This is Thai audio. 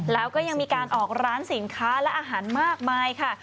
แล้วก็ยังมีการออกร้านสินค้าและอาหารมากมายค่ะ